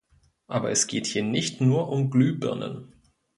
Aber es geht hier nicht nur um Glühbirnen.